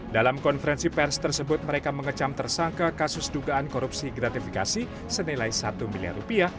dalam konferensi pers tersebut mereka mengecam tersangka kasus dugaan korupsi gratifikasi senilai satu miliar rupiah